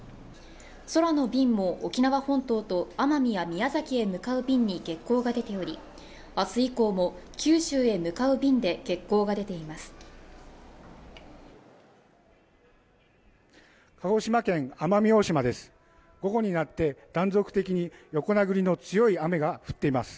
空の便も沖縄本島と奄美や宮崎に向かう便に欠航が出ており、明日以降も、九州へ向かう便で欠航が出ています。